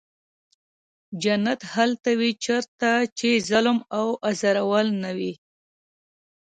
جنت هلته وي چېرته چې ظلم او ازارول نه وي.